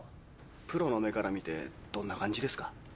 プロの目から見てどんな感じですか？